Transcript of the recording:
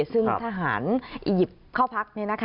ซึ่งทหารอียิปต์เข้าพัก